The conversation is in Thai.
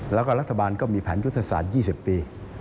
แล้วก็รัฐบาลก็มีแผนยุทธศาสตร์๒๐ปี